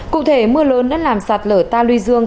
cụ thể mưa lớn đã làm sạt lở ta luy dương